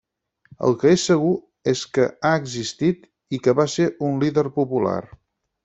El que és segur és que ha existit i que va ser un líder popular.